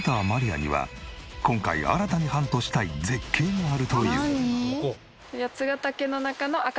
亜には今回新たにハントしたい絶景があるという。